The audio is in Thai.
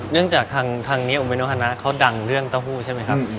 เรื่องจากทางนี้โอเมโนคณะเขาดังเรื่องเต้าหู้ใช่ไหมครับ